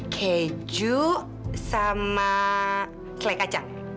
keju sama selai kacang